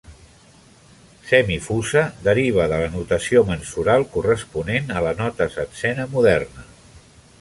"Semifusa" deriva de la notació mensural corresponent a la nota setzena moderna.